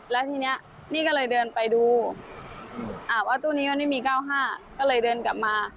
แล้วทีนี้นี่ก็เลยเดินไปดูว่าตู้นี้มันไม่มี๙๕ก็เลยเดินกลับมา